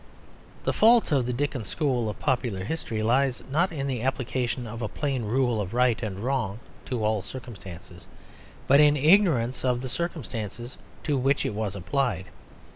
The fault of the Dickens school of popular history lies, not in the application of a plain rule of right and wrong to all circumstances, but in ignorance of the circumstances to which it was applied.